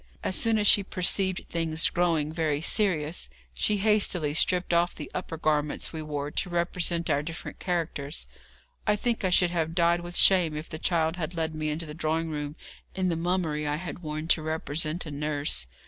As soon as she perceived things growing very serious, she hastily stripped off the upper garments we wore to represent our different characters. I think I should have died with shame if the child had led me into the drawing room in the mummery I had worn to represent a nurse.